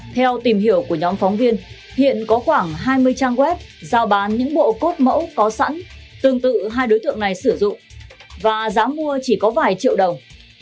theo tìm hiểu của nhóm phóng viên hiện có khoảng hai mươi trang web giao bán những bộ cốt mẫu có sẵn tương tự hai đối tượng này sử dụng và giá mua chỉ có vài triệu đồng